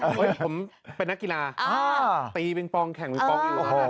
ผมเป็นนักกีฬาตีปิงปองแข่งปิงปองอยู่